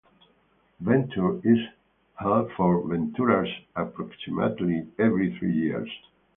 Venture is held for Venturers approximately every three years.